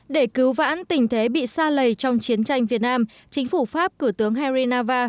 để cứu vãn tình thế bị xa lầy trong chiến tranh việt nam chính phủ pháp cử tướng herry nava